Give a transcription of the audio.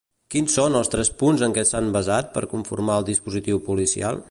Quins són els tres punts en què s'han basat per conformar el dispositiu policial?